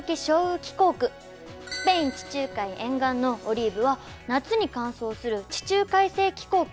スペイン地中海沿岸のオリーブは夏に乾燥する地中海性気候区。